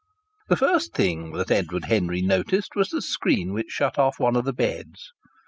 The first thing that Edward Henry noticed was the screen which shut off one of the beds.